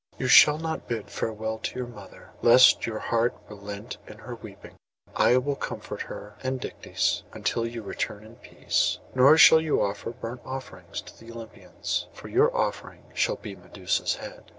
'You shall not bid farewell to your mother, lest your heart relent at her weeping. I will comfort her and Dictys until you return in peace. Nor shall you offer burnt offerings to the Olympians; for your offering shall be Medusa's head.